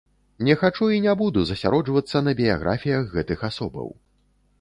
Не хачу і не буду засяроджвацца на біяграфіях гэтых асобаў.